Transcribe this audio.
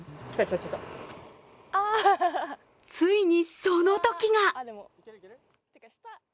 ついにそのときが！